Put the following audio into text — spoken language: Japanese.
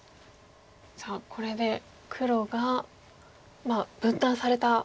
さあこれで黒が分断されたわけですが。